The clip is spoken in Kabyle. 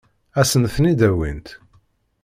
Ad sen-ten-id-awint?